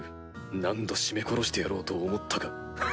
何度絞め殺してやろうと思ったか。